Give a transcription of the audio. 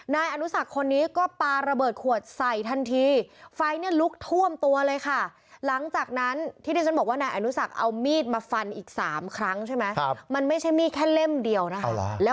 นายอัยนุสักคนนี้ก็ปาระเบิดขวดใส่ทันทีไฟล์เนี่ยลุกท่วมตัวเลยค่ะ